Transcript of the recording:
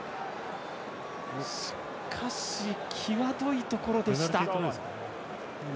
しかし、際どいところでした。